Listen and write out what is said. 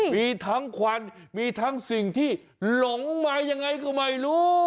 มีทั้งควันมีทั้งสิ่งที่หลงมายังไงก็ไม่รู้